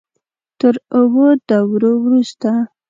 تر اوو دورو وروسته.